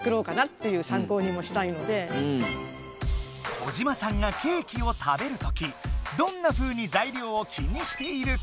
小嶋さんがケーキを食べるときどんなふうに材料を気にしているか？